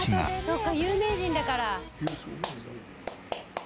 そっか有名人だから。